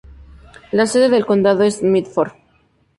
La sede del condado es Medford.